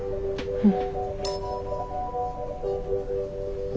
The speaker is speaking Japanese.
うん。